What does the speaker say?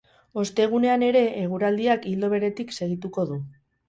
Ostegunean ere, eguraldiak ildo beretik segituko du.